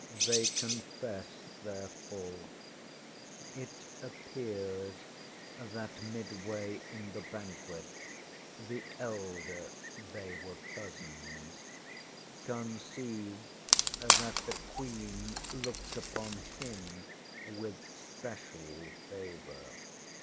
They confess their fault. It appears that midway in the banquet the elder they were cousins conceived that the Queen looked upon him with special favour.